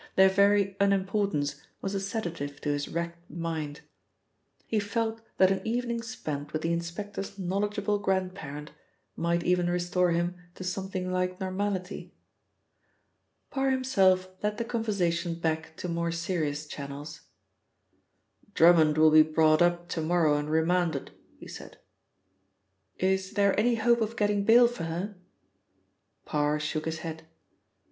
Their very unimportance was a sedative to his racked mind. He felt that an evening spent with the inspector's knowledgeable grandparent might even restore him to something like normality. Parr himself led the conversation back to more serious channels. "Drummond will be brought up to morrow and remanded," he said. "Is there any hope of getting bail for her?" Parr shook his head.